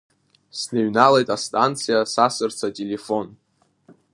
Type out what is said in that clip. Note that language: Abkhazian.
Сныҩналеит астанциа сасырц ателефон.